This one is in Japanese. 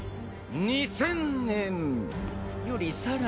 ２０００年よりさらに前。